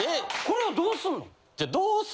これをどうすんの？